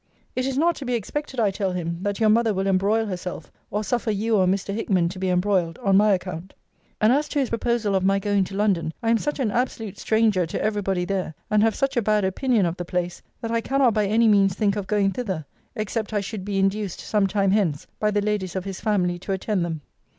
'It is not to be expected, I tell him, that your mother will embroil herself, or suffer you or Mr. Hickman to be embroiled, on my account: and as to his proposal of my going to London, I am such an absolute stranger to every body there, and have such a bad opinion of the place, that I cannot by any means think of going thither; except I should be induced, some time hence, by the ladies of his family to attend them.